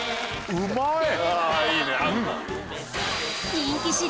おうまい！